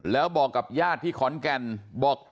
แล้วบอกกับญาติที่ขอนแก่นบอก